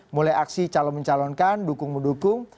mulai aksi calon mencalonkan dukung mendukung